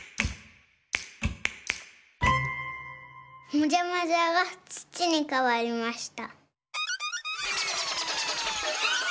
もじゃもじゃがつちにかわりました。